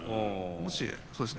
もしそうですね